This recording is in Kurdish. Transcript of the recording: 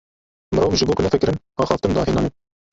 Mirov ji bo ku nefikirin, axaftin dahênane.